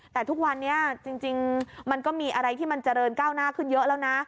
แต่ทุกวันนี้จริงมันก็มีอะไรที่มันเจริญก้าวหน้าขึ้นเยอะแล้วนะ